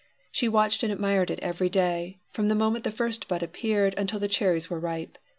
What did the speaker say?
She watched and admired it every day, from the moment the first bud appeared until the cherries were ripe.